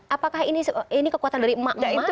apakah ini kekuatan dari emak emak